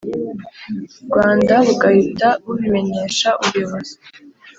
Rwanda bugahita bubimenyesha ubuyobozi